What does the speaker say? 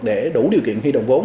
để đủ điều kiện huy động vốn